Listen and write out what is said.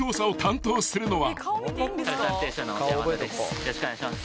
よろしくお願いします。